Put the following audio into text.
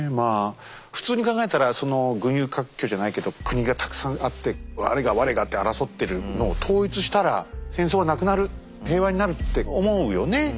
普通に考えたら群雄割拠じゃないけど国がたくさんあって我が我がって争ってるのを統一したら戦争はなくなる平和になるって思うよね普通ね。